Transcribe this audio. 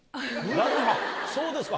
そうですか。